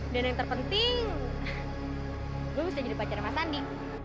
dan yang terpenting gua bisa jadi pacar mas adi